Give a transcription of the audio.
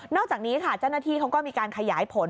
อกจากนี้ค่ะเจ้าหน้าที่เขาก็มีการขยายผล